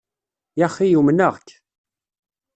Yaxi umneɣ-k.